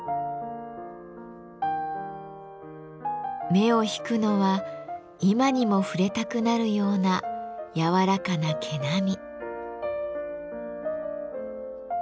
目を引くのは今にも触れたくなるような柔らかな毛並み。